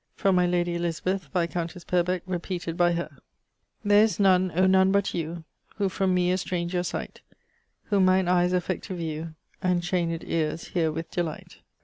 From my lady Elizabeth, viscountesse Purbec, repeated by her: 1. There is none, oh none but you, Who from me estrange your sight, Whom mine eyes affect to view And chained eares heare with delight.